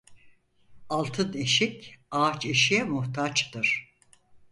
Altın eşik, ağaç eşiğe muhtaçtır.